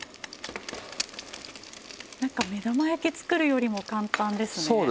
なんか目玉焼き作るよりも簡単ですね。